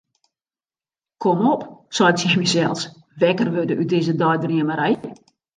Kom op, sei ik tsjin mysels, wekker wurde út dizze deidreamerij.